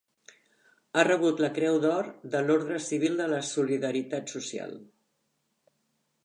Ha rebut la Creu d’Or de l'Orde Civil de la Solidaritat Social.